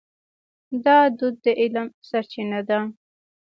دا دود د علم سرچینه ده.